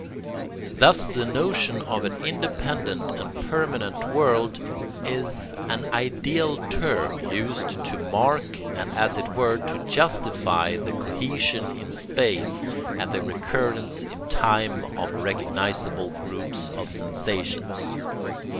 Thus the notion of an independent and permanent world is an ideal term used to mark and as it were to justify the cohesion in space and the recurrence in time of recognisable groups of sensations.